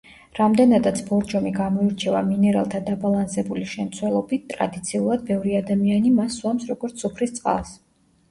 რამდენადაც, „ბორჯომი“ გამოირჩევა მინერალთა დაბალანსებული შემცველობით, ტრადიციულად, ბევრი ადამიანი მას სვამს, როგორც სუფრის წყალს.